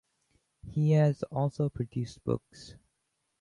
He has also produced books.